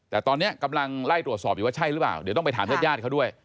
แต่ตอนนี้กำลังไล่ตรวจสอบอยู่ว่าใช่หรือเปล่าเดี๋ยวต้องไปถามญาติญาติเขาด้วย